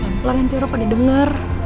pelan pelan nanti rupa didengar